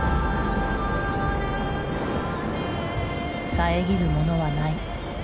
遮るものはない。